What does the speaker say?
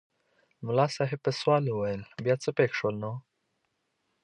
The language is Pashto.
ملا صاحب په سوال وویل بیا څه پېښ شول نو؟